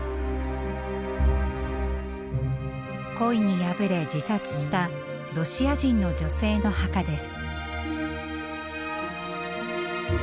恋にやぶれ自殺したロシア人の女性の墓です。